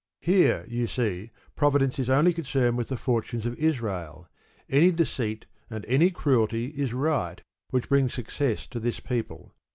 Here, you see, Providence is only concerned with the fortunes of Israel; any deceit and any cruelty is right which brings success to this people.